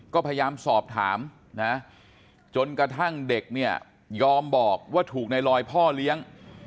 ก็พยายามสอบถามนะจนกระทั่งเด็กเนี่ยยอมบอกว่าถูกในลอยพ่อเลี้ยง